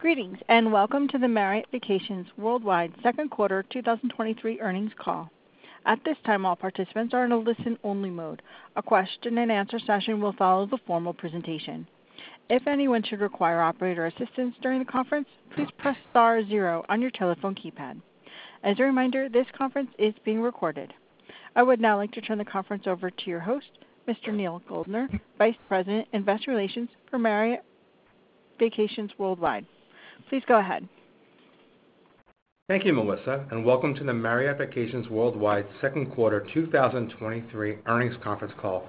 Greetings, welcome to the Marriott Vacations Worldwide Second Quarter 2023 Earnings Call. At this time, all participants are in a listen-only mode. A question-and-answer session will follow the formal presentation. If anyone should require operator assistance during the conference, please press star zero on your telephone keypad. As a reminder, this conference is being recorded. I would now like to turn the conference over to your host, Mr. Neal Goldner, Vice President, Investor Relations for Marriott Vacations Worldwide. Please go ahead. Thank you, Melissa, and welcome to the Marriott Vacations Worldwide second quarter 2023 earnings conference call.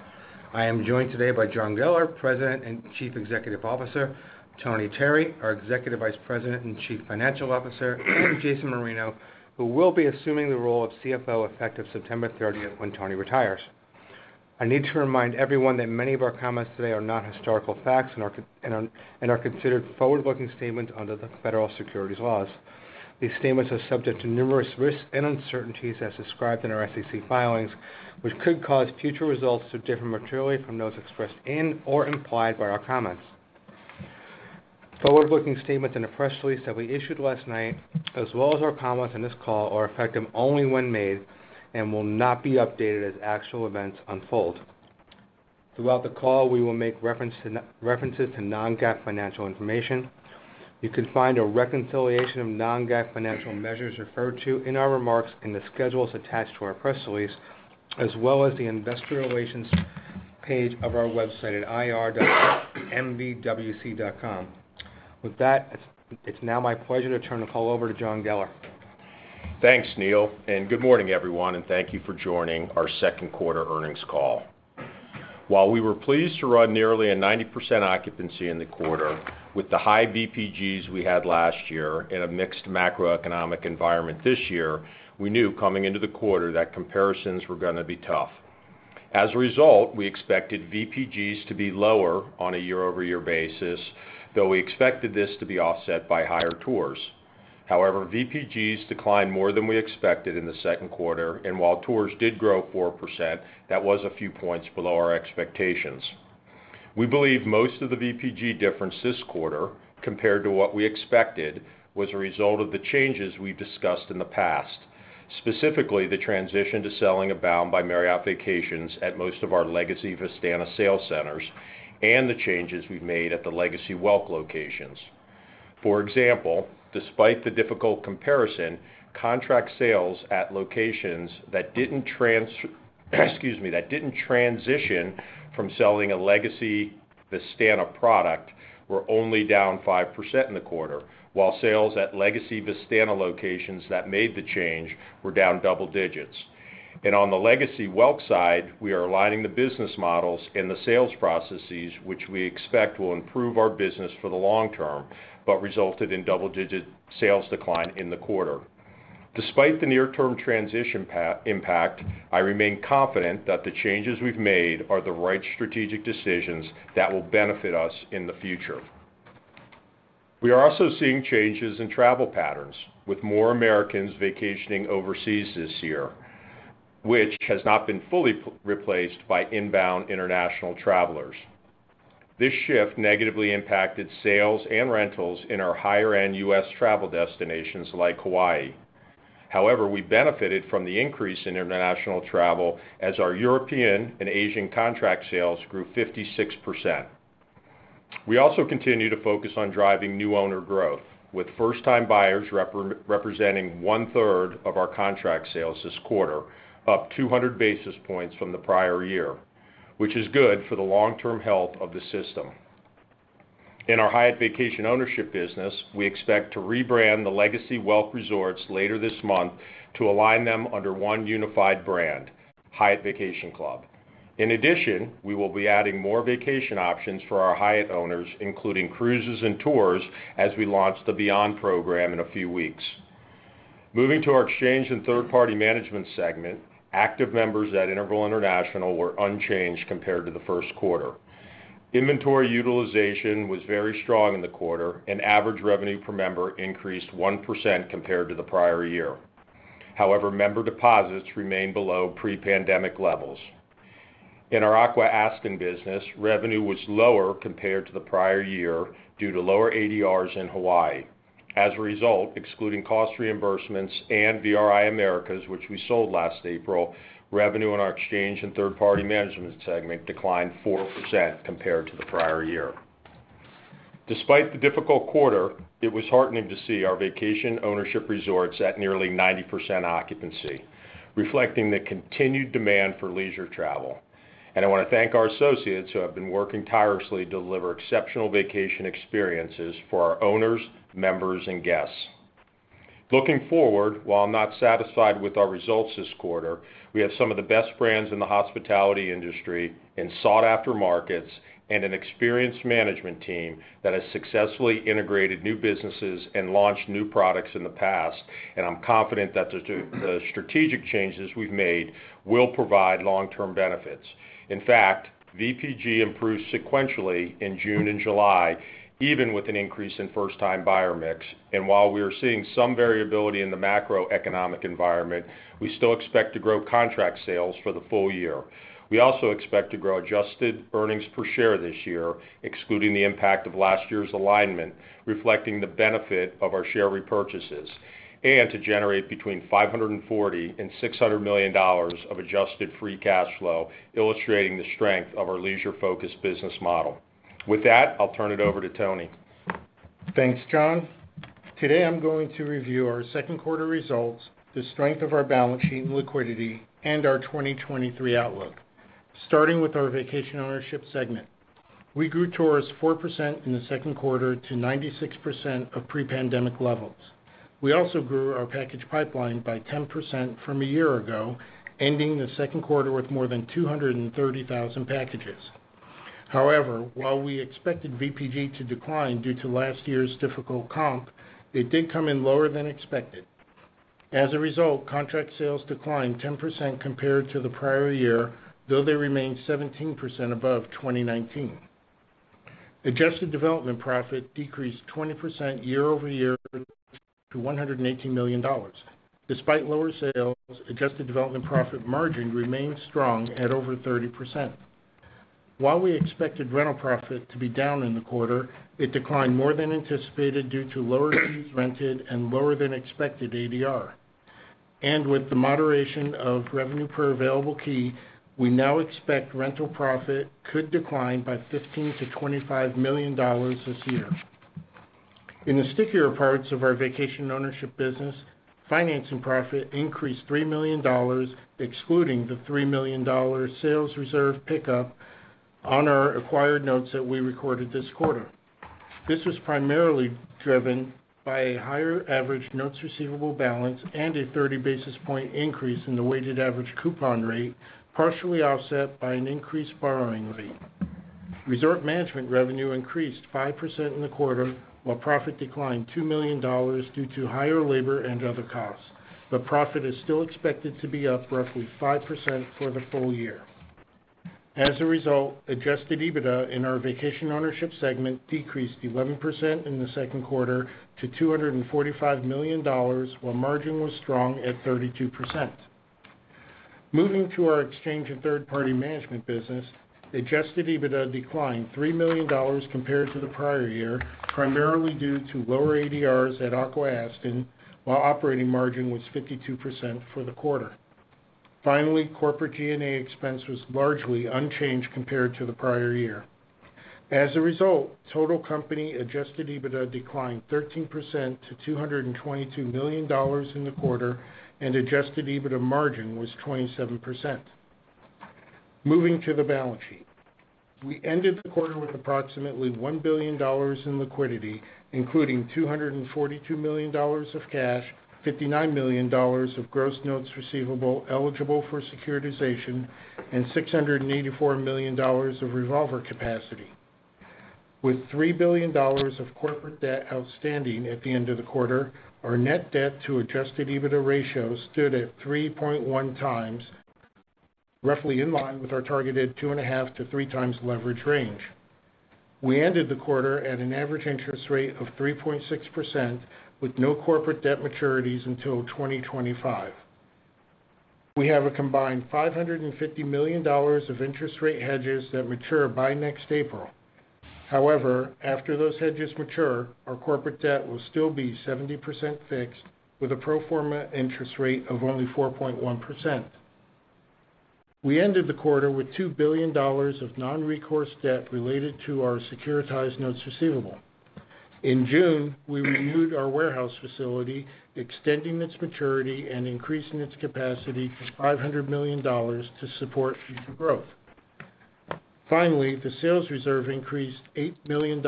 I am joined today by John Geller, President and Chief Executive Officer; Tony Terry, our Executive Vice President and Chief Financial Officer; Jason Marino, who will be assuming the role of CFO effective September 30th, when Tony retires. I need to remind everyone that many of our comments today are not historical facts and are considered forward-looking statements under the federal securities laws. These statements are subject to numerous risks and uncertainties as described in our SEC filings, which could cause future results to differ materially from those expressed in or implied by our comments. Forward-looking statements in the press release that we issued last night, as well as our comments on this call, are effective only when made and will not be updated as actual events unfold. Throughout the call, we will make references to non-GAAP financial information. You can find a reconciliation of non-GAAP financial measures referred to in our remarks in the schedules attached to our press release, as well as the investor relations page of our website at ir.mvwc.com. With that, it's now my pleasure to turn the call over to John Geller. Thanks, Neal. Good morning, everyone, and thank you for joining our second quarter earnings call. While we were pleased to run nearly a 90% occupancy in the quarter with the high VPGs we had last year in a mixed macroeconomic environment this year, we knew coming into the quarter that comparisons were gonna be tough. As a result, we expected VPGs to be lower on a year-over-year basis, though we expected this to be offset by higher tours. However, VPGs declined more than we expected in the second quarter, and while tours did grow 4%, that was a few points below our expectations. We believe most of the VPG difference this quarter, compared to what we expected, was a result of the changes we've discussed in the past, specifically the transition to selling Abound by Marriott Vacations at most of our legacy Vistana sales centers and the changes we've made at the legacy Welk locations. For example, despite the difficult comparison, contract sales at locations that didn't, excuse me, that didn't transition from selling a legacy Vistana product were only down 5% in the quarter, while sales at legacy Vistana locations that made the change were down double digits. On the legacy Welk side, we are aligning the business models and the sales processes, which we expect will improve our business for the long term, but resulted in double-digit sales decline in the quarter. Despite the near-term transition impact, I remain confident that the changes we've made are the right strategic decisions that will benefit us in the future. We are also seeing changes in travel patterns, with more Americans vacationing overseas this year, which has not been fully replaced by inbound international travelers. This shift negatively impacted sales and rentals in our higher-end U.S. travel destinations like Hawaii. However, we benefited from the increase in international travel as our European and Asian contract sales grew 56%. We also continue to focus on driving new owner growth, with first-time buyers representing one-third of our contract sales this quarter, up 200 basis points from the prior year, which is good for the long-term health of the system. In our Hyatt Vacation Ownership business, we expect to rebrand the legacy Welk Resorts later this month to align them under one unified brand, Hyatt Vacation Club. In addition, we will be adding more vacation options for our Hyatt owners, including cruises and tours, as we launch the BEYOND program in a few weeks. Moving to our exchange and third-party management segment, active members at Interval International were unchanged compared to the first quarter. Inventory utilization was very strong in the quarter, and average revenue per member increased 1% compared to the prior year. However, member deposits remained below pre-pandemic levels. In our Aqua-Aston business, revenue was lower compared to the prior year due to lower ADRs in Hawaii. As a result, excluding cost reimbursements and VRI Americas, which we sold last April, revenue in our exchange and third-party management segment declined 4% compared to the prior year. Despite the difficult quarter, it was heartening to see our vacation ownership resorts at nearly 90% occupancy, reflecting the continued demand for leisure travel. I wanna thank our associates who have been working tirelessly to deliver exceptional vacation experiences for our owners, members, and guests. Looking forward, while I'm not satisfied with our results this quarter, we have some of the best brands in the hospitality industry in sought-after markets and an experienced management team that has successfully integrated new businesses and launched new products in the past, and I'm confident that the strategic changes we've made will provide long-term benefits. In fact, VPG improved sequentially in June and July, even with an increase in first-time buyer mix. While we are seeing some variability in the macroeconomic environment, we still expect to grow contract sales for the full year. We also expect to grow adjusted earnings per share this year, excluding the impact of last year's alignment, reflecting the benefit of our share repurchases, and to generate between $540 million and $600 million of adjusted free cash flow, illustrating the strength of our leisure-focused business model. With that, I'll turn it over to Tony. Thanks, John. Today, I'm going to review our second quarter results, the strength of our balance sheet and liquidity, and our 2023 outlook. Starting with our vacation ownership segment. We grew tours 4% in the second quarter to 96% of pre-pandemic levels. We also grew our package pipeline by 10% from a year ago, ending the second quarter with more than 230,000 packages. However, while we expected VPG to decline due to last year's difficult comp, it did come in lower than expected. As a result, contract sales declined 10% compared to the prior year, though they remained 17% above 2019. Adjusted development profit decreased 20% year-over-year to $118 million. Despite lower sales, adjusted development profit margin remained strong at over 30%. While we expected rental profit to be down in the quarter, it declined more than anticipated due to lower fewer keys rented and lower than expected ADR. With the moderation of revenue per available key, we now expect rental profit could decline by $15 million-$25 million this year. In the stickier parts of our vacation ownership business, financing profit increased $3 million, excluding the $3 million sales reserve pickup on our acquired notes that we recorded this quarter. This was primarily driven by a higher average notes receivable balance and a 30 basis point increase in the weighted average coupon rate, partially offset by an increased borrowing rate. Resort management revenue increased 5% in the quarter, while profit declined $2 million due to higher labor and other costs. The profit is still expected to be up roughly 5% for the full year. As a result, Adjusted EBITDA in our vacation ownership segment decreased 11% in the second quarter to $245 million, while margin was strong at 32%. Moving to our exchange and third-party management business, Adjusted EBITDA declined $3 million compared to the prior year, primarily due to lower ADRs at Aqua-Aston, while operating margin was 52% for the quarter. Finally, corporate G&A expense was largely unchanged compared to the prior year. As a result, total company Adjusted EBITDA declined 13% to $222 million in the quarter, and Adjusted EBITDA margin was 27%. Moving to the balance sheet. We ended the quarter with approximately $1 billion in liquidity, including $242 million of cash, $59 million of gross notes receivable eligible for securitization, and $684 million of revolver capacity. With $3 billion of corporate debt outstanding at the end of the quarter, our net debt to Adjusted EBITDA ratio stood at 3.1 times, roughly in line with our targeted 2.5-3 times leverage range. We ended the quarter at an average interest rate of 3.6%, with no corporate debt maturities until 2025. We have a combined $550 million of interest rate hedges that mature by next April. However, after those hedges mature, our corporate debt will still be 70% fixed, with a pro forma interest rate of only 4.1%. We ended the quarter with $2 billion of non-recourse debt related to our securitized notes receivable. In June, we renewed our warehouse facility, extending its maturity and increasing its capacity to $500 million to support future growth. Finally, the sales reserve increased $8 million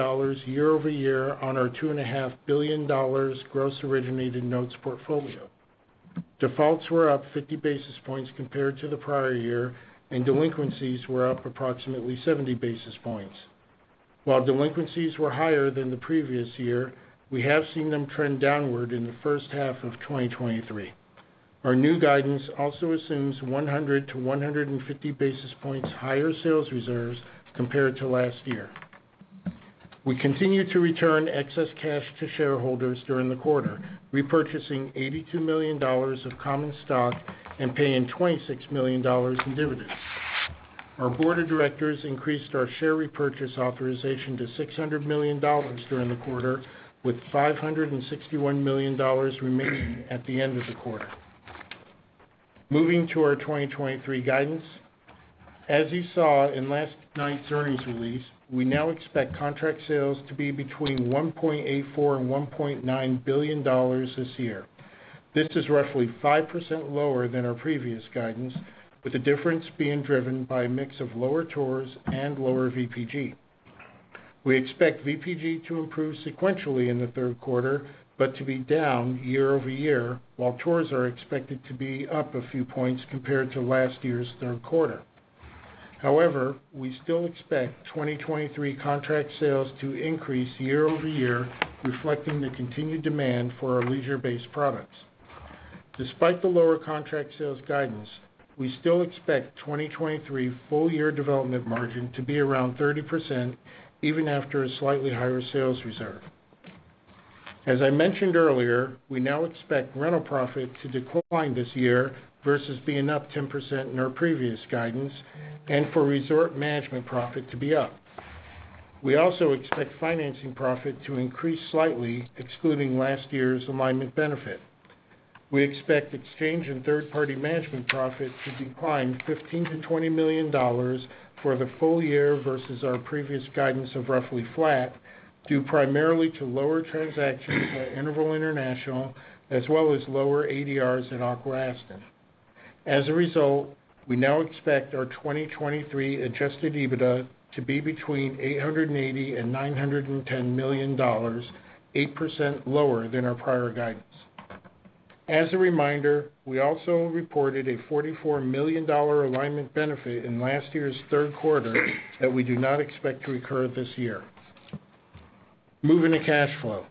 year-over-year on our $2.5 billion gross originated notes portfolio. Defaults were up 50 basis points compared to the prior year, and delinquencies were up approximately 70 basis points. While delinquencies were higher than the previous year, we have seen them trend downward in the first half of 2023. Our new guidance also assumes 100-150 basis points higher sales reserves compared to last year. We continued to return excess cash to shareholders during the quarter, repurchasing $82 million of common stock and paying $26 million in dividends. Our board of directors increased our share repurchase authorization to $600 million during the quarter, with $561 million remaining at the end of the quarter. Moving to our 2023 guidance. As you saw in last night's earnings release, we now expect contract sales to be between $1.84 billion-$1.9 billion this year. This is roughly 5% lower than our previous guidance, with the difference being driven by a mix of lower tours and lower VPG. We expect VPG to improve sequentially in the third quarter, but to be down year-over-year, while tours are expected to be up a few points compared to last year's third quarter. We still expect 2023 contract sales to increase year-over-year, reflecting the continued demand for our leisure-based products. Despite the lower contract sales guidance, we still expect 2023 full year development margin to be around 30%, even after a slightly higher sales reserve. As I mentioned earlier, we now expect rental profit to decline this year versus being up 10% in our previous guidance, and for resort management profit to be up. We also expect financing profit to increase slightly, excluding last year's alignment benefit. We expect exchange and third-party management profit to decline $15 million-$20 million for the full year versus our previous guidance of roughly flat, due primarily to lower transactions at Interval International, as well as lower ADRs at Aqua-Aston. As a result, we now expect our 2023 Adjusted EBITDA to be between $880 million and $910 million, 8% lower than our prior guidance. As a reminder, we also reported a $44 million alignment benefit in last year's third quarter that we do not expect to recur this year. Moving to cash flow.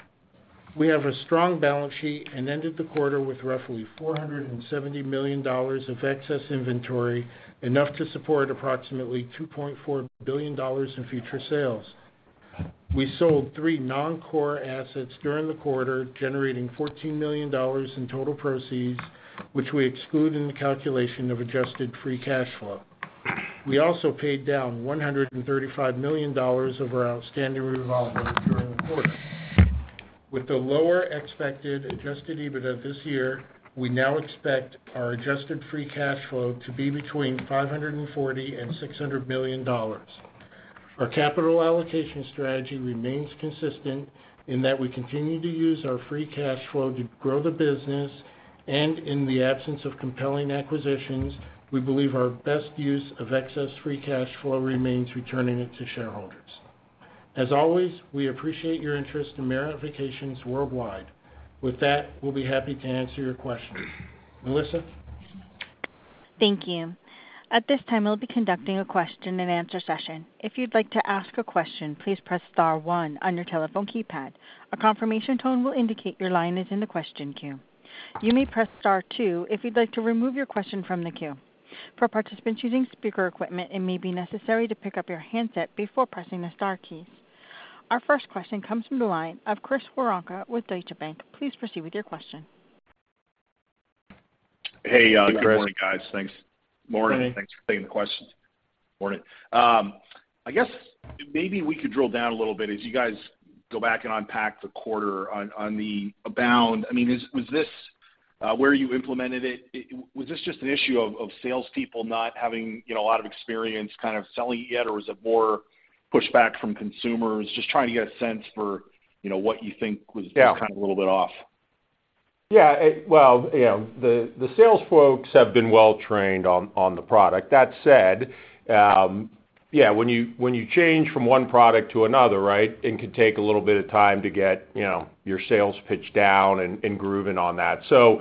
We have a strong balance sheet and ended the quarter with roughly $470 million of excess inventory, enough to support approximately $2.4 billion in future sales. We sold three non-core assets during the quarter, generating $14 million in total proceeds, which we exclude in the calculation of adjusted free cash flow. We also paid down $135 million of our outstanding revolver during the quarter. With the lower expected Adjusted EBITDA this year, we now expect our adjusted free cash flow to be between $540 million and $600 million. Our capital allocation strategy remains consistent in that we continue to use our free cash flow to grow the business, and in the absence of compelling acquisitions, we believe our best use of excess free cash flow remains returning it to shareholders. As always, we appreciate your interest in Marriott Vacations Worldwide. With that, we'll be happy to answer your questions. Melissa? Thank you. At this time, we'll be conducting a question-and-answer session. If you'd like to ask a question, please press star one on your telephone keypad. A confirmation tone will indicate your line is in the question queue. You may press star two if you'd like to remove your question from the queue. For participants using speaker equipment, it may be necessary to pick up your handset before pressing the star keys. Our first question comes from the line of Chris Woronka with Deutsche Bank. Please proceed with your question. Hey, good morning, guys. Thanks. Morning. Morning. Thanks for taking the questions. Morning. I guess maybe we could drill down a little bit as you guys go back and unpack the quarter on, on the Abound. I mean, was this where you implemented it, was this just an issue of salespeople not having, you know, a lot of experience kind of selling it yet, or was it more pushback from consumers? Just trying to get a sense for, you know, what you think was... Yeah kind of a little bit off. Yeah, well, you know, the, the sales folks have been well trained on, on the product. That said, yeah, when you, when you change from one product to another, right, it could take a little bit of time to get, you know, your sales pitch down and, and grooving on that. So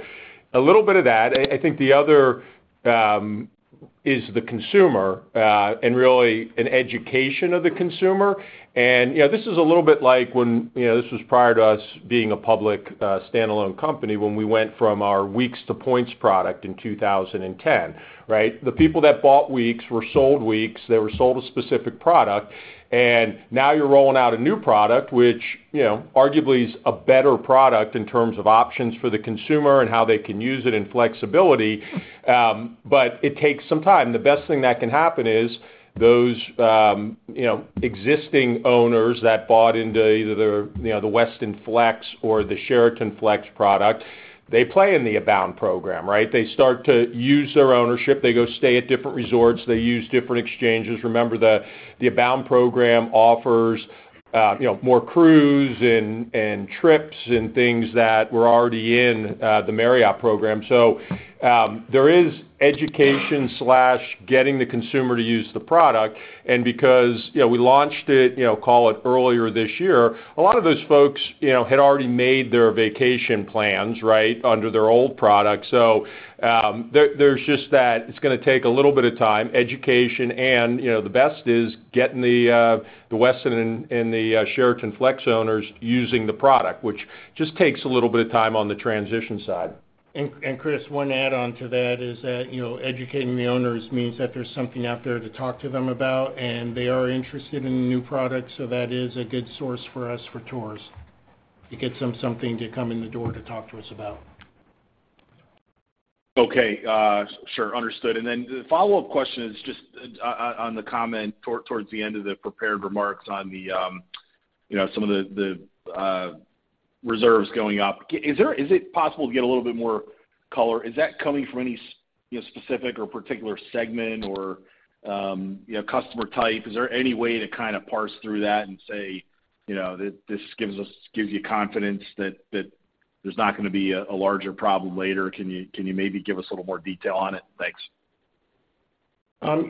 a little bit of that. I, I think the other, is the consumer, and really an education of the consumer. You know, this is a little bit like when, you know, this was prior to us being a public, standalone company when we went from our weeks to points product in 2010, right? The people that bought weeks were sold weeks, they were sold a specific product, and now you're rolling out a new product, which, you know, arguably is a better product in terms of options for the consumer and how they can use it in flexibility, but it takes some time. The best thing that can happen is those, you know, existing owners that bought into either the, you know, the Westin Flex or the Sheraton Flex product, they play in the Abound program, right? They start to use their ownership. They go stay at different resorts. They use different exchanges. Remember that the Abound program offers, you know, more cruise and trips and things that were already in the Marriott program. There is education slash getting the consumer to use the product. Because, you know, we launched it, you know, call it earlier this year, a lot of those folks, you know, had already made their vacation plans, right, under their old product. There, there's just that it's gonna take a little bit of time, education, and, you know, the best is getting the Westin and the Sheraton Flex owners using the product, which just takes a little bit of time on the transition side. Chris, one add on to that is that, you know, educating the owners means that there's something out there to talk to them about, and they are interested in new products, so that is a good source for us for tours. It gets them something to come in the door to talk to us about. Okay, sure. The follow-up question is just on, on the comment towards the end of the prepared remarks on the, you know, some of the, the reserves going up. Is it possible to get a little bit more color? Is that coming from any, you know, specific or particular segment or, you know, customer type? Is there any way to kind of parse through that and say, you know, that this gives us-- gives you confidence that, that there's not gonna be a, a larger problem later? Can you, can you maybe give us a little more detail on it? Thanks.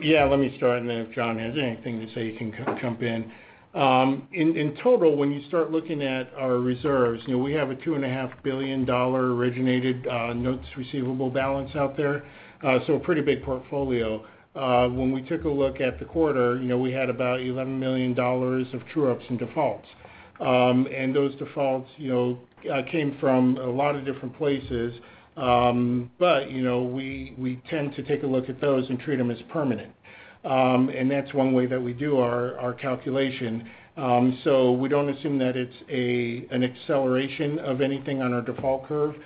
Yeah, let me start, and then if John has anything to say, he can jump in. In total, when you start looking at our reserves, you know, we have a $2.5 billion originated notes receivable balance out there, so a pretty big portfolio. When we took a look at the quarter, you know, we had about $11 million of true-ups and defaults. Those defaults, you know, came from a lot of different places. You know, we tend to take a look at those and treat them as permanent. That's one way that we do our calculation. We don't assume that it's an acceleration of anything on our default curve.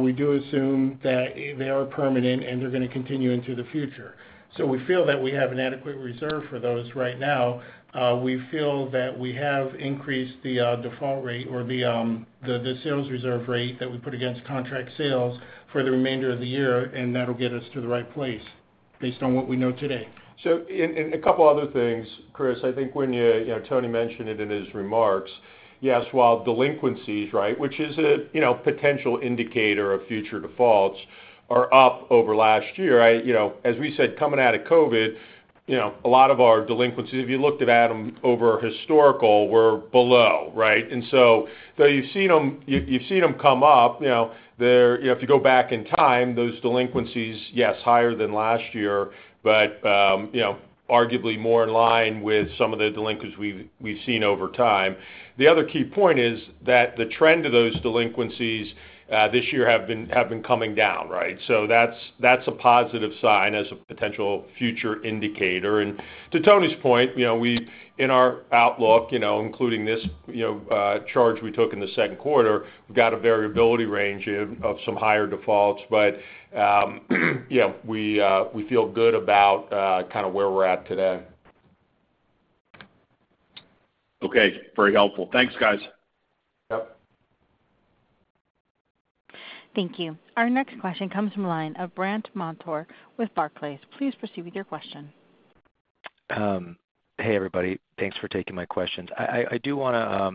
We do assume that they are permanent and they're gonna continue into the future. We feel that we have an adequate reserve for those right now. We feel that we have increased the default rate or the sales reserve rate that we put against contract sales for the remainder of the year, and that'll get us to the right place. Based on what we know today. A couple other things, Chris, I think you know, Tony mentioned it in his remarks. Yes, while delinquencies, right, which is a, you know, potential indicator of future defaults, are up over last year, I, you know, as we said, coming out of COVID, you know, a lot of our delinquencies, if you looked at them over historical, were below, right? Though you've seen them, you've, you've seen them come up, you know, if you go back in time, those delinquencies, yes, higher than last year, but, you know, arguably more in line with some of the delinquencies we've, we've seen over time. The other key point is that the trend of those delinquencies, this year have been, have been coming down, right? That's, that's a positive sign as a potential future indicator. To Tony's point, you know, we, in our outlook, you know, including this, you know, charge we took in the second quarter, we've got a variability range of, of some higher defaults. You know, we feel good about kind of where we're at today. Okay. Very helpful. Thanks, guys. Thank you. Our next question comes from the line of Brandt Montour with Barclays. Please proceed with your question. Hey, everybody. Thanks for taking my questions. I, I, I do wanna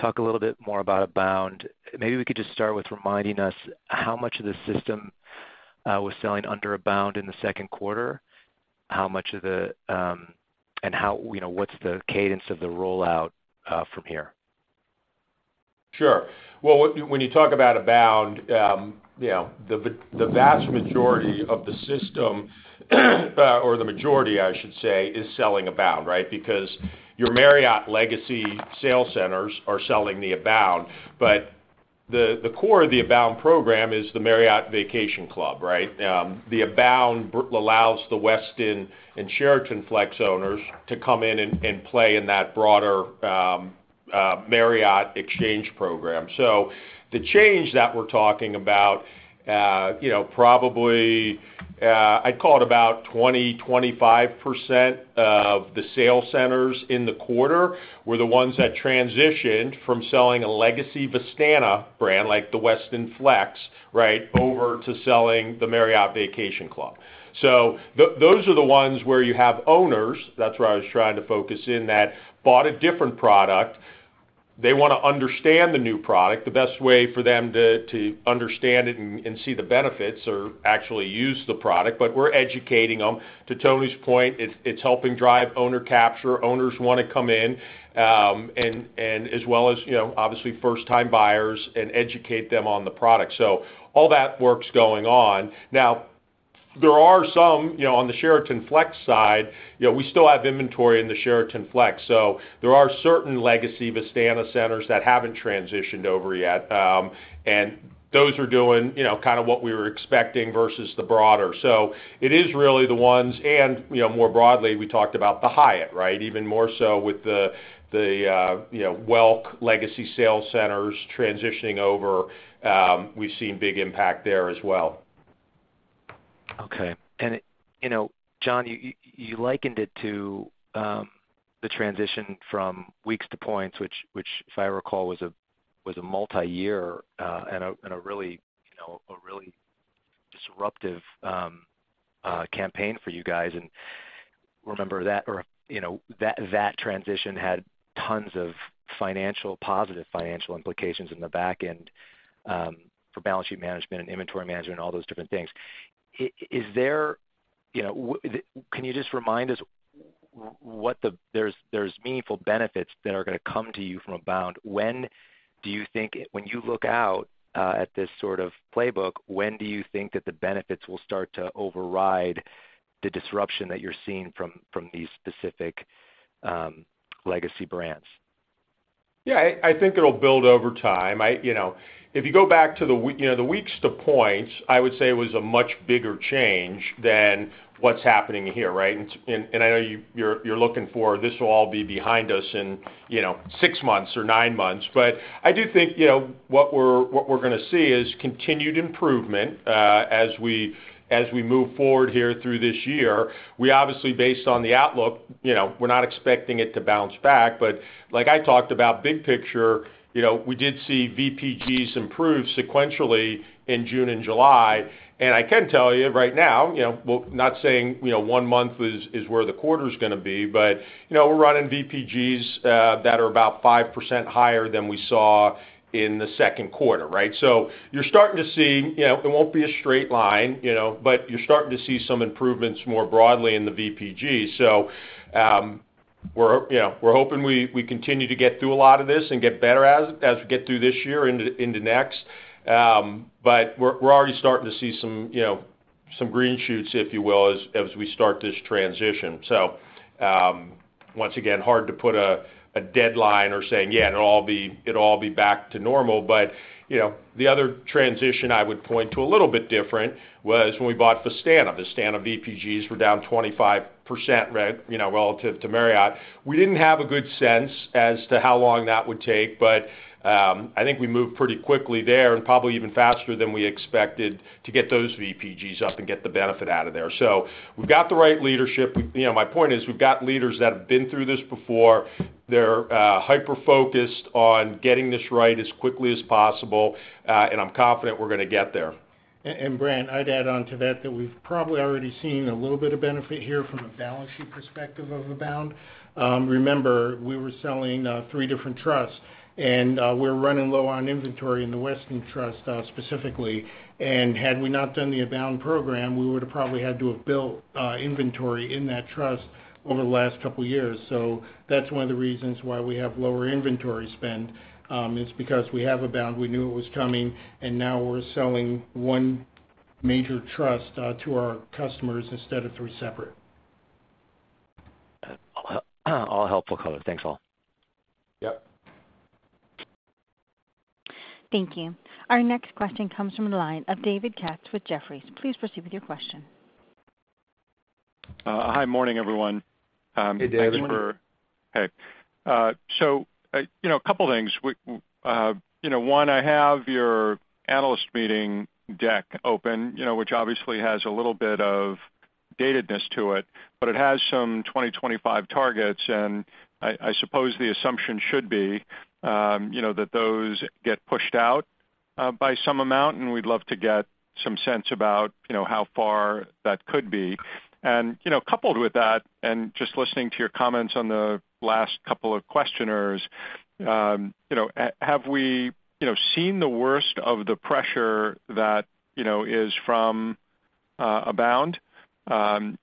talk a little bit more about Abound. Maybe we could just start with reminding us how much of the system was selling under Abound in the second quarter? How much of the... How, you know, what's the cadence of the rollout from here? Sure. When you, when you talk about Abound, you know, the vast majority of the system, or the majority, I should say, is selling Abound, right? Your Marriott legacy sales centers are selling the Abound, but the core of the Abound program is the Marriott Vacation Club, right? The Abound allows the Westin and Sheraton Flex owners to come in and play in that broader Marriott exchange program. The change that we're talking about, you know, probably, I'd call it about 20%, 25% of the sales centers in the quarter were the ones that transitioned from selling a legacy Vistana brand, like the Westin Flex, right, over to selling the Marriott Vacation Club. Those are the ones where you have owners, that's where I was trying to focus in, that bought a different product. They wanna understand the new product. The best way for them to understand it and see the benefits are actually use the product, but we're educating them. To Tony's point, it's helping drive owner capture. Owners want to come in, and as well as, you know, obviously first-time buyers and educate them on the product. All that work's going on. Now, there are some, you know, on the Sheraton Flex side, you know, we still have inventory in the Sheraton Flex, so there are certain legacy Vistana centers that haven't transitioned over yet. Those are doing, you know, kind of what we were expecting versus the broader. It is really the ones and, you know, more broadly, we talked about the Hyatt, right? Even more so with the, the, you know, Welk legacy sales centers transitioning over. We've seen big impact there as well. Okay. You know, John, you, you likened it to the transition from weeks to points, which, which, if I recall, was a multiyear and a really, you know, a really disruptive campaign for you guys. Remember that or, you know, that, that transition had tons of positive financial implications in the back end for balance sheet management and inventory management, all those different things. Is there, you know, can you just remind us, there's meaningful benefits that are gonna come to you from Abound? When do you think... When you look out at this sort of playbook, when do you think that the benefits will start to override the disruption that you're seeing from these specific legacy brands? Yeah, I, I think it'll build over time. I, you know, if you go back to the you know, the weeks to points, I would say it was a much bigger change than what's happening here, right? I know you, you're, you're looking for, this will all be behind us in, you know, 6 months or 9 months. I do think, you know, what we're, what we're gonna see is continued improvement as we, as we move forward here through this year. We obviously, based on the outlook, you know, we're not expecting it to bounce back, but like I talked about, big picture, you know, we did see VPGs improve sequentially in June and July. I can tell you right now, you know, well, not saying, you know, one month is, is where the quarter's gonna be, but, you know, we're running VPGs that are about 5% higher than we saw in the second quarter, right? You're starting to see, you know, it won't be a straight line, you know, but you're starting to see some improvements more broadly in the VPG. We're, you know, we're hoping we, we continue to get through a lot of this and get better as, as we get through this year into, in the next. We're, we're already starting to see some, you know, some green shoots, if you will, as, as we start this transition. Once again, hard to put a, a deadline or say: Yeah, it'll all be, it'll all be back to normal. You know, the other transition I would point to, a little bit different, was when we bought Vistana. Vistana VPGs were down 25%, right, you know, relative to Marriott. We didn't have a good sense as to how long that would take, but I think we moved pretty quickly there and probably even faster than we expected to get those VPGs up and get the benefit out of there. We've got the right leadership. You know, my point is, we've got leaders that have been through this before. They're hyper-focused on getting this right as quickly as possible, and I'm confident we're gonna get there. Brandt, I'd add on to that, that we've probably already seen a little bit of benefit here from a balance sheet perspective of Abound. Remember, we were selling 3 different trusts, and we're running low on inventory in the Westin Flex Trust, specifically. Had we not done the Abound program, we would have probably had to have built inventory in that trust over the last couple of years. That's 1 of the reasons why we have lower inventory spend is because we have Abound, we knew it was coming, and now we're selling 1 major trust to our customers instead of three separate. All, all helpful color. Thanks, all. Yep. Thank you. Our next question comes from the line of David Katz with Jefferies. Please proceed with your question. Hi, morning, everyone. Hey, David. Hey. So, you know, a couple of things. We, you know, one, I have your analyst meeting deck open, you know, which obviously has a little bit of datedness to it, but it has some 2025 targets, and I, I suppose the assumption should be, you know, that those get pushed out, by some amount, and we'd love to get some sense about, you know, how far that could be? Coupled with that, and just listening to your comments on the last couple of questioners, you know, have we, you know, seen the worst of the pressure that, you know, is from, Abound? You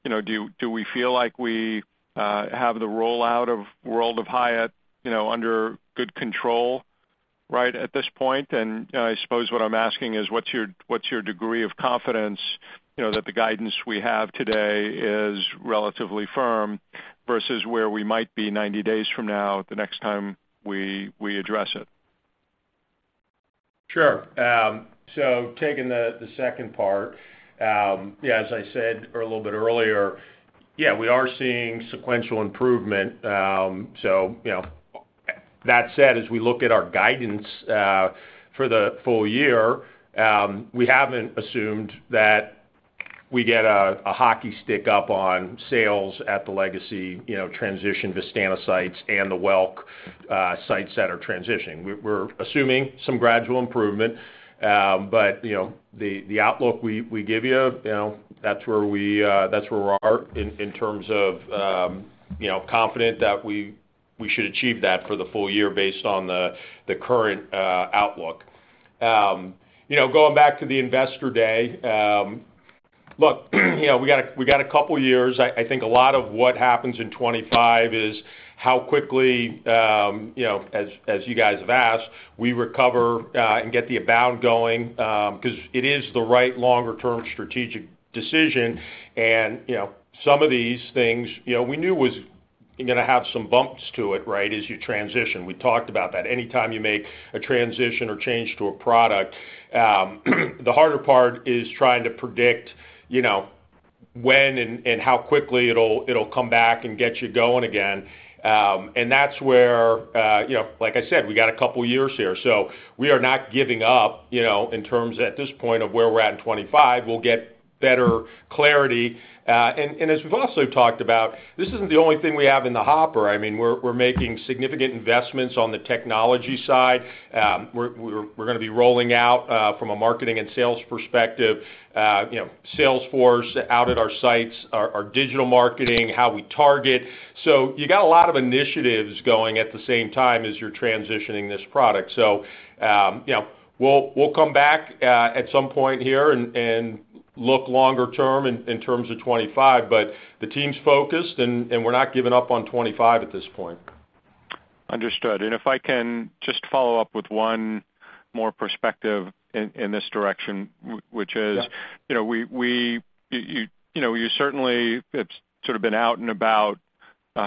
know, do, do we feel like we, have the rollout of World of Hyatt, you know, under good control right at this point? I suppose what I'm asking is, what's your, what's your degree of confidence, you know, that the guidance we have today is relatively firm versus where we might be 90 days from now, the next time we, we address it? Sure. Taking the, the second part, yeah, as I said a little bit earlier, yeah, we are seeing sequential improvement. You know, that said, as we look at our guidance for the full year, we haven't assumed that we get a, a hockey stick up on sales at the legacy, you know, transition Vistana sites and the Welk sites that are transitioning. We're, we're assuming some gradual improvement, but, you know, the, the outlook we, we give you, you know, that's where we, that's where we are in, in terms of, you know, confident that we, we should achieve that for the full year based on the, the current outlook. You know, going back to the Investor Day, look, you know, we got a, we got a couple of years. I, I think a lot of what happens in 2025 is how quickly, you know, as, as you guys have asked, we recover, and get the Abound going, because it is the right longer-term strategic decision. You know, some of these things, you know, we knew was going to have some bumps to it, right, as you transition. We talked about that. Anytime you make a transition or change to a product, the harder part is trying to predict, you know, when and, and how quickly it'll, it'll come back and get you going again. That's where, you know, like I said, we got 2 years here, so we are not giving up, you know, in terms at this point of where we're at in 2025, we'll get better clarity. As we've also talked about, this isn't the only thing we have in the hopper. I mean, we're, we're making significant investments on the technology side. We're, we're gonna be rolling out from a marketing and sales perspective, you know, sales force out at our sites, our, our digital marketing, how we target. You got a lot of initiatives going at the same time as you're transitioning this product. You know, we'll, we'll come back at some point here and look longer term in terms of 2025, but the team's focused and we're not giving up on 2025 at this point. Understood. If I can just follow up with one more perspective in, in this direction, which is- Yeah. You know, you know, you certainly, it's sort of been out and about, you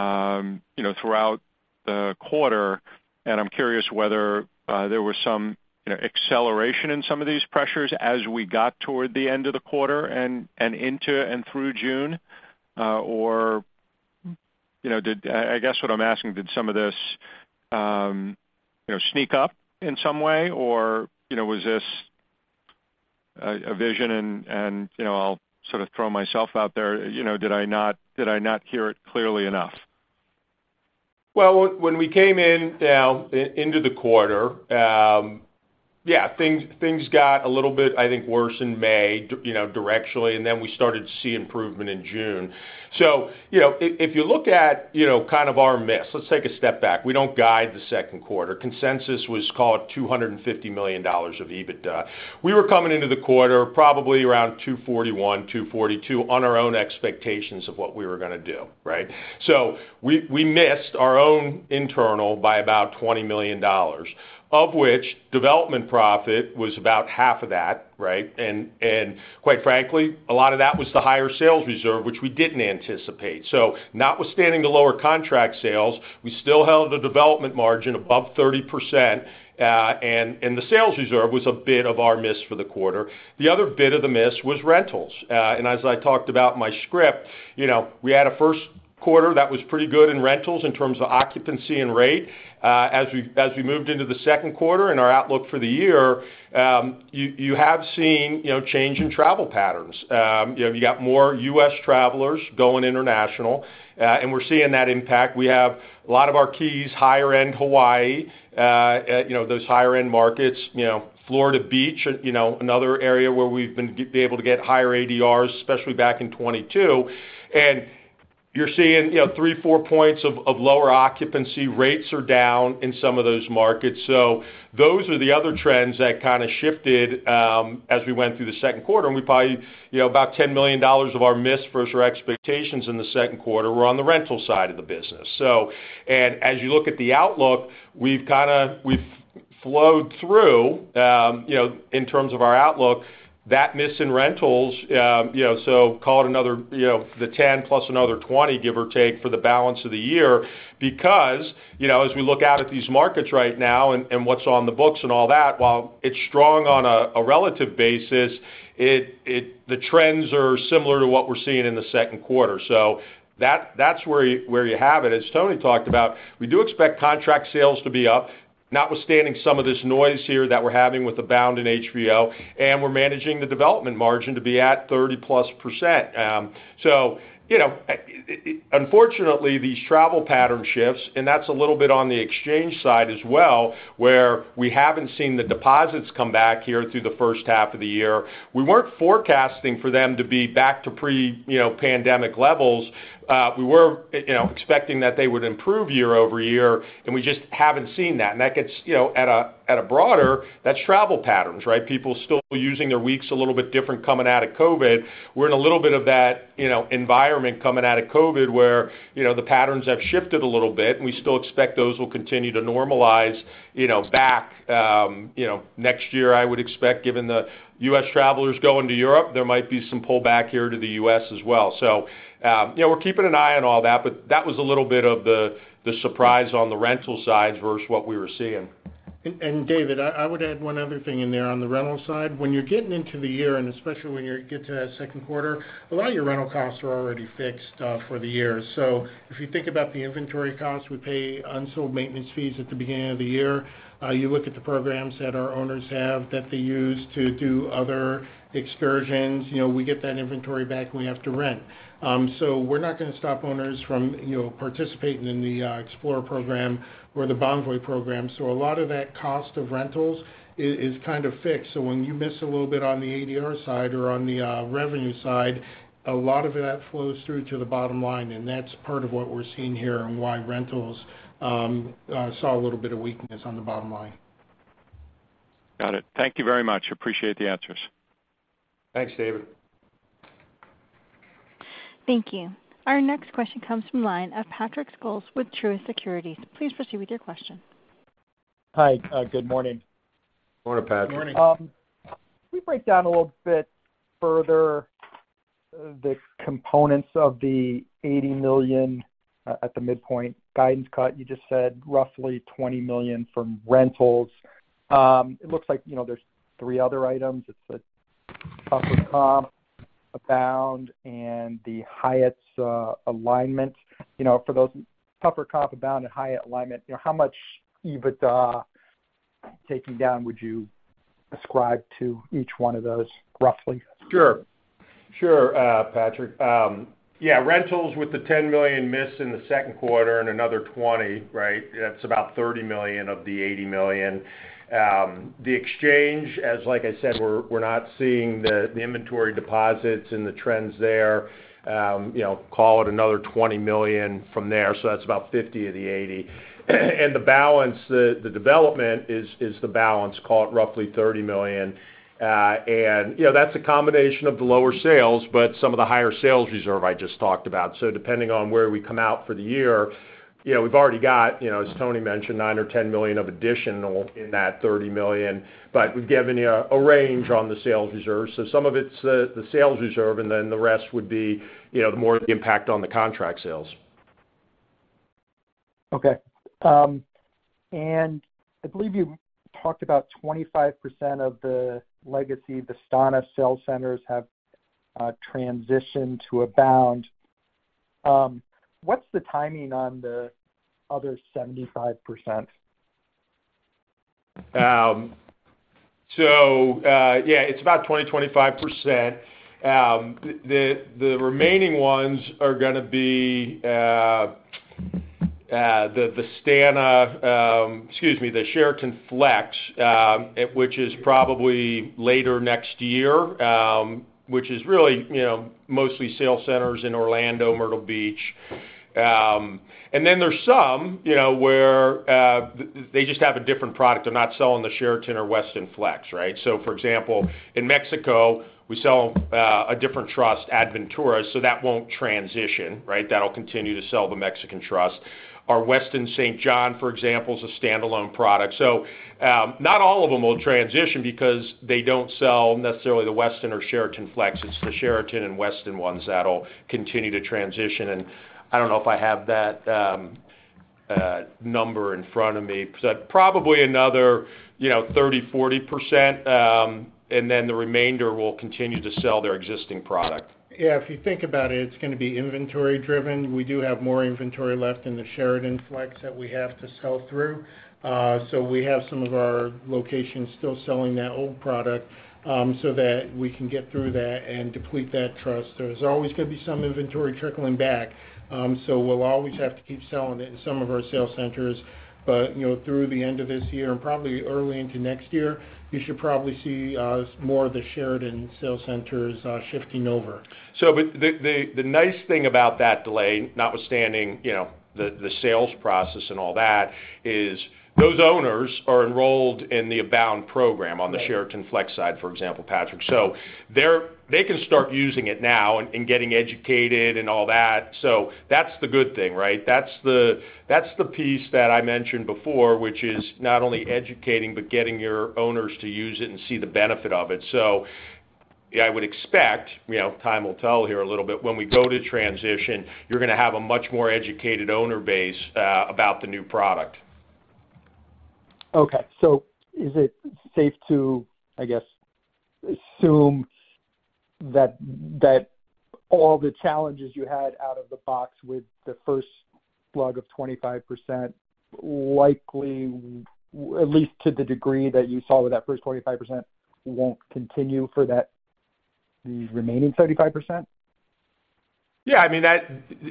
know, throughout the quarter, and I'm curious whether there was some, you know, acceleration in some of these pressures as we got toward the end of the quarter and, and into and through June, or, you know, did I guess what I'm asking, did some of this, you know, sneak up in some way, or, you know, was this a, a vision and, and, you know, I'll sort of throw myself out there, you know, did I not, did I not hear it clearly enough? Well, when, when we came in, into the quarter, yeah, things, things got a little bit, I think, worse in May, you know, directionally, and then we started to see improvement in June. If, if you look at, you know, kind of our miss, let's take a step back. We don't guide the second quarter. Consensus was called $250 million of EBITDA. We were coming into the quarter, probably around $241 million-$242 million on our own expectations of what we were gonna do, right? So we, we missed our own internal by about $20 million, of which development profit was about $10 million, right? Quite frankly, a lot of that was the higher sales reserve, which we didn't anticipate. Notwithstanding the lower contract sales, we still held a development margin above 30%. The sales reserve was a bit of our miss for the quarter. The other bit of the miss was rentals. As I talked about my script, you know, we had a first quarter that was pretty good in rentals in terms of occupancy and rate. As we, as we moved into the second quarter and our outlook for the year, you, you have seen, you know, change in travel patterns. You know, you got more U.S. travelers going international, and we're seeing that impact. We have a lot of our keys, higher end Hawaii, you know, those higher end markets, you know, Florida Beach, you know, another area where we've been able to get higher ADRs, especially back in 2022. You're seeing, you know, 3, 4 points of, of lower occupancy. Rates are down in some of those markets. Those are the other trends that kind of shifted, as we went through the second quarter, and we probably, you know, about $10 million of our miss versus our expectations in the second quarter were on the rental side of the business. As you look at the outlook, we've kind of, we've flowed through, you know, in terms of our outlook, that miss in rentals, you know, so call it another, you know, the 10 plus another 20, give or take, for the balance of the year. You know, as we look out at these markets right now and, and what's on the books and all that, while it's strong on a, a relative basis, it, the trends are similar to what we're seeing in the second quarter. That, that's where you, where you have it. As Tony talked about, we do expect contract sales to be up, notwithstanding some of this noise here that we're having with Abound and HVO, and we're managing the development margin to be at 30%+. You know, unfortunately, these travel pattern shifts, and that's a little bit on the exchange side as well, where we haven't seen the deposits come back here through the first half of the year. We weren't forecasting for them to be back to pre, you know, pandemic levels. We were, you know, expecting that they would improve year-over-year, and we just haven't seen that. That gets, you know, at a broader, that's travel patterns, right? People still using their weeks a little bit different coming out of COVID. We're in a little bit of that, you know, environment coming out of COVID, where, you know, the patterns have shifted a little bit, and we still expect those will continue to normalize, you know, back, you know, next year, I would expect, given the U.S. travelers going to Europe, there might be some pullback here to the U.S. as well. We're keeping an eye on all that, but that was a little bit of the, the surprise on the rental side versus what we were seeing. David, I, I would add one other thing in there on the rental side. When you're getting into the year, and especially when you get to that second quarter, a lot of your rental costs are already fixed for the year. If you think about the inventory costs, we pay unsold maintenance fees at the beginning of the year. You look at the programs that our owners have that they use to do other excursions, you know, we get that inventory back, and we have to rent. We're not going to stop owners from, you know, participating in the Explorer program or the Bonvoy program. A lot of that cost of rentals is, is kind of fixed. When you miss a little bit on the ADR side or on the, revenue side, a lot of that flows through to the bottom line, and that's part of what we're seeing here and why rentals saw a little bit of weakness on the bottom line. Got it. Thank you very much. Appreciate the answers. Thanks, David. Thank you. Our next question comes from the line of Patrick Scholes with Truist Securities. Please proceed with your question. Hi, good morning. Morning, Patrick. Morning. Can you break down a little bit further, the components of the $80 million at the midpoint guidance cut? You just said roughly $20 million from rentals. It looks like, you know, there's three other items. It's the tougher comp, Abound and the Hyatt's alignment. You know, for those tougher comp, Abound and Hyatt alignment, you know, how much EBITDA taking down would you ascribe to each one of those, roughly? Sure. Sure, Patrick. Yeah, rentals with the $10 million miss in the second quarter and another $20 million, right? That's about $30 million of the $80 million. The exchange, as like I said, we're not seeing the inventory deposits and the trends there. You know, call it another $20 million from there, so that's about $50 million of the $80 million. The balance, the development is the balance, call it roughly $30 million. You know, that's a combination of the lower sales, but some of the higher sales reserve I just talked about. Depending on where we come out for the year, you know, we've already got, you know, as Tony mentioned, $9 million or $10 million of additional in that $30 million, but we've given you a range on the sales reserve. Some of it's the, the sales reserve, and then the rest would be, you know, more of the impact on the contract sales. Okay. I believe you talked about 25% of the legacy Vistana sales centers have transitioned to Abound. What's the timing on the other 75%? Yeah, it's about 20%-25%. The, the remaining ones are gonna be, the, the Vistana, excuse me, the Sheraton Flex, which is probably later next year, which is really, you know, mostly sale centers in Orlando, Myrtle Beach. Then there's some, you know, where they just have a different product. They're not selling the Sheraton or Westin Flex, right? For example, in Mexico, we sell a different trust, Aventuras, so that won't transition, right? That'll continue to sell the Mexican trust. Our Westin St. John, for example, is a standalone product. Not all of them will transition because they don't sell necessarily the Westin or Sheraton Flex. It's the Sheraton and Westin ones that'll continue to transition, and I don't know if I have that number in front of me, but probably another, you know, 30%, 40%, and then the remainder will continue to sell their existing product. Yeah, if you think about it, it's going to be inventory driven. We do have more inventory left in the Sheraton Flex that we have to sell through. We have some of our locations still selling that old product, so that we can get through that and deplete that trust. There's always going to be some inventory trickling back, so we'll always have to keep selling it in some of our sales centers. You know, through the end of this year and probably early into next year, you should probably see more of the Sheraton sales centers shifting over. The, the, the nice thing about that delay, notwithstanding, you know, the, the sales process and all that, is those owners are enrolled in the Abound program on the Sheraton Flex side, for example, Patrick. They can start using it now and getting educated and all that. That's the good thing, right? That's the, that's the piece that I mentioned before, which is not only educating, but getting your owners to use it and see the benefit of it. Yeah, I would expect, you know, time will tell here a little bit. When we go to transition, you're gonna have a much more educated owner base, about the new product. Okay. Is it safe to, I guess, assume that, that all the challenges you had out of the box with the first slug of 25% likely, at least to the degree that you saw with that first 25%, won't continue for that, the remaining 35%? Yeah, I mean, that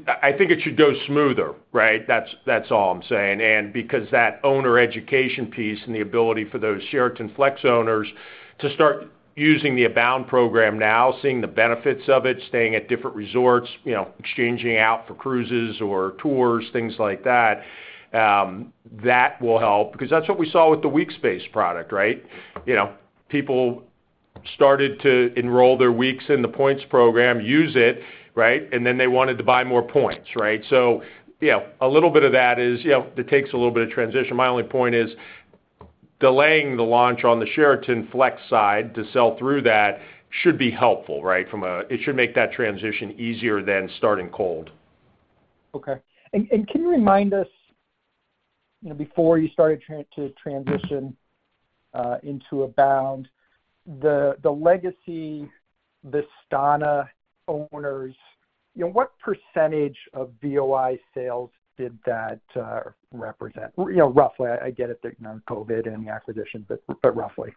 I, I think it should go smoother, right? That's, that's all I'm saying. Because that owner education piece and the ability for those Sheraton Flex owners to start using the Abound program now, seeing the benefits of it, staying at different resorts, you know, exchanging out for cruises or tours, things like that, that will help. Because that's what we saw with the Weeks Space product, right? You know, people started to enroll their weeks in the points program, use it, right, and then they wanted to buy more points, right? You know, a little bit of that is, you know, it takes a little bit of transition. My only point is, delaying the launch on the Sheraton Flex side to sell through that should be helpful, right? It should make that transition easier than starting cold. Okay. Can you remind us, you know, before you started trans- to transition into Abound, the, the legacy Vistana owners, you know, what percentage of VOI sales did that represent? You know, roughly, I get it, the, you know, COVID and the acquisition, but, but roughly.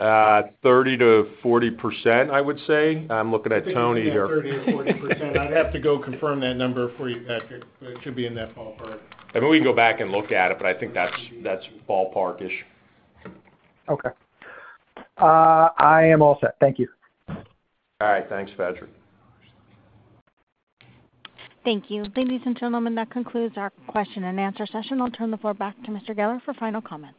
30%-40%, I would say. I'm looking at Tony here. 30% or 40%. I'd have to go confirm that number for you, Patrick, but it should be in that ballpark. We can go back and look at it, but I think that's, that's ballpark-ish. Okay. I am all set. Thank you. All right. Thanks, Patrick. Thank you. Ladies and gentlemen, that concludes our question and answer session. I'll turn the floor back to Mr. Geller for final comments.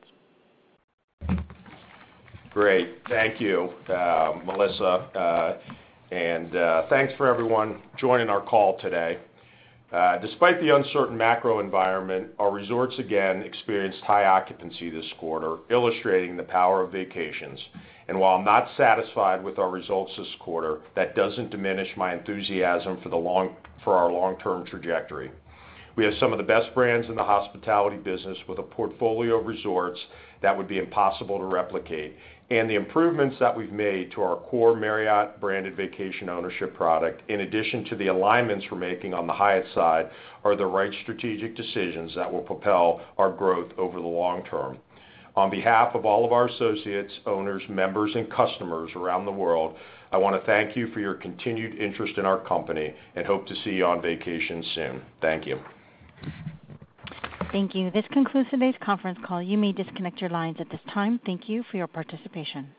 Great. Thank you, Melissa. Thanks for everyone joining our call today. Despite the uncertain macro environment, our resorts again experienced high occupancy this quarter, illustrating the power of vacations. While I'm not satisfied with our results this quarter, that doesn't diminish my enthusiasm for the long-- for our long-term trajectory. We have some of the best brands in the hospitality business, with a portfolio of resorts that would be impossible to replicate. The improvements that we've made to our core Marriott-branded vacation ownership product, in addition to the alignments we're making on the Hyatt side, are the right strategic decisions that will propel our growth over the long term. On behalf of all of our associates, owners, members and customers around the world, I wanna thank you for your continued interest in our company and hope to see you on vacation soon. Thank you. Thank you. This concludes today's conference call. You may disconnect your lines at this time. Thank you for your participation.